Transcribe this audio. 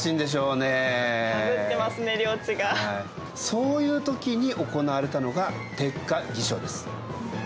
そういう時に行われたのが鉄火起請です。